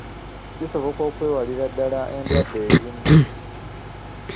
Kisoboka okwewalira ddaala endwadde ezimu.